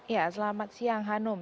ya selamat siang hanum